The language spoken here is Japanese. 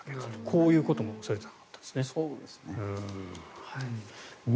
こういうことも反田さんあったんですね。